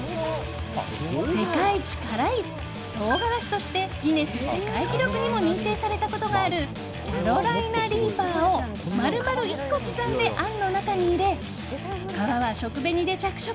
世界一辛い唐辛子としてギネス世界記録にも認定されたことがあるキャロライナリーパーを丸々１個刻んであんの中に入れ皮は食紅で着色。